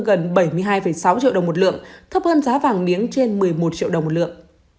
gần bảy mươi hai sáu triệu đồng một lượng thấp hơn giá vàng miếng trên một mươi một triệu đồng một lượng